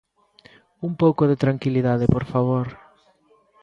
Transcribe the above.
¡Un pouco de tranquilidade, por favor!